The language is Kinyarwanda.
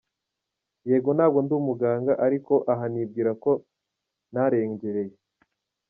Yego ntabwo ndi umuganga, ariko aha nibwira ko ntarengereye.